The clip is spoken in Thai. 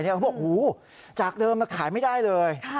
เขาบอกหูจากเดิมขายไม่ได้เลย